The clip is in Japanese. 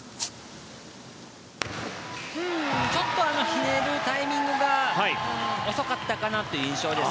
ちょっとひねるタイミングが遅かったかなという印象です。